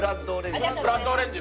ブラッドオレンジ。